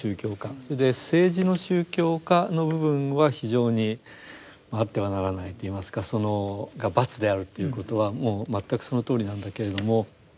それで政治の宗教化の部分は非常にあってはならないといいますかそのバツであるということはもう全くそのとおりなんだけれども。